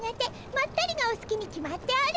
まったりがおすきに決まっておる！